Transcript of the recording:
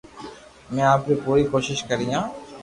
امي آپري پوري ڪوݾݾ ڪريو